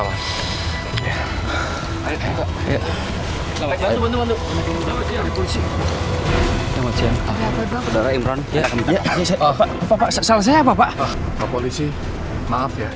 pak pak polisi maaf ya